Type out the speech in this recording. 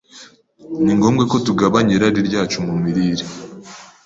ni ngombwa ko tugabanya irari ryacu mu mirire,